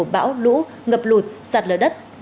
bão lũ ngập lụt sạt lở đất